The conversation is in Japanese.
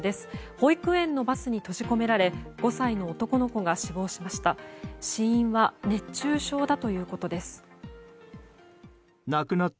保育園のバスに閉じ込められ５歳の男の子が死亡しました。